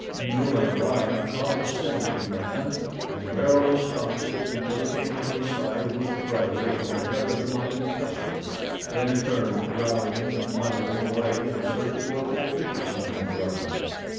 Numa, the lion, caught the scent of man, and warily stalked it until he came within sight of his prey upon the head of the mighty tusker; then he turned, growling and muttering, away in search of more propitious hunting grounds.